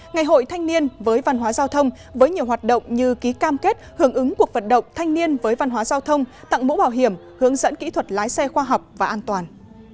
ngày hội thanh niên với văn hóa giao thông với nhiều hoạt động như ký cam kết hưởng ứng cuộc vận động thanh niên với văn hóa giao thông tặng mũ bảo hiểm hướng dẫn kỹ thuật lái xe khoa học và an toàn